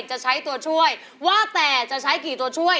จะใช้ตัวช่วยว่าแต่จะใช้กี่ตัวช่วย